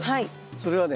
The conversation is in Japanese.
それはね